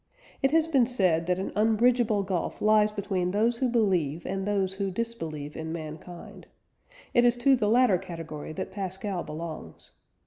It has been said that an unbridgeable gulf lies between those who believe and those who disbelieve in mankind. It is to the latter category that Pascal belongs.